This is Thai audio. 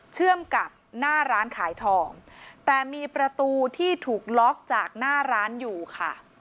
เชื่อมกับหน้าร้านขายทองแต่มีประตูที่ถูกล็อกจากหน้าร้านอยู่ค่ะ